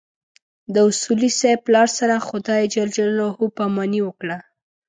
د اصولي صیب پلار سره خدای ج پاماني وکړه.